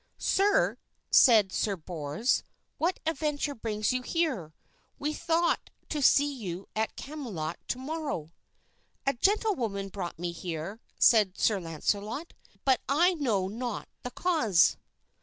"Sir," said Sir Bors, "what adventure brings you here? We thought to see you at Camelot to morrow." "A gentlewoman brought me here," said Sir Launcelot, "but I know not the cause."